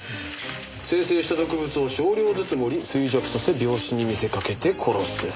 「生成した毒物を少量ずつ盛り衰弱させ病死に見せかけて殺す」。